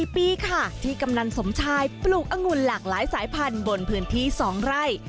๔ปีค่ะที่กำนันสมชายปลูกองุ่นหลากหลายสายพันธุ์บนพื้นที่๒ไร่